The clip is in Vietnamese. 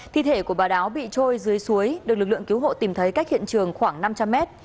thi thể của bà đáo bị trôi dưới suối được lực lượng cứu hộ tìm thấy cách hiện trường khoảng năm trăm linh mét